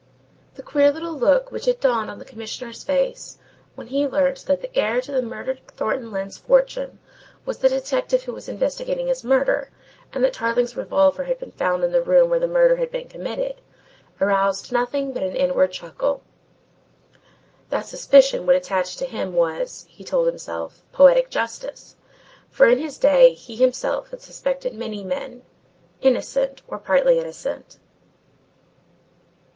The queer little look which had dawned on the Commissioner's face when he learnt that the heir to the murdered Thornton Lyne's fortune was the detective who was investigating his murder, and that Tarling's revolver had been found in the room where the murder had been committed, aroused nothing but an inward chuckle. That suspicion should attach to him was, he told himself, poetic justice, for in his day he himself had suspected many men, innocent or partly innocent.